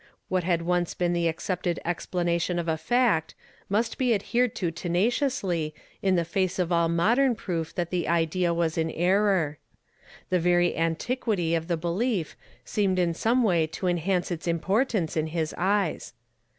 What had once been the accepted explanation of a fact, must be adhered to tena ciously, in the face of all modern proof that the idea was an error. The very antiquity of the be lief seemed in some way to enhance its importance in his eyes.